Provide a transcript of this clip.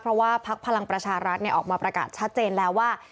เพราะว่าพักพลังประชารัฐออกมาประกาศชัดเจนแล้วว่า